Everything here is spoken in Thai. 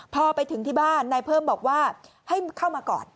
พอไปถึงที่บ้านนายเพิ่มบอกว่าให้เข้ามาก่อน